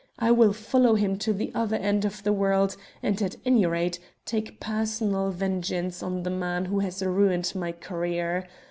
I will follow him to the other end of the world, and, at any rate, take personal vengeance on the man who has ruined my career.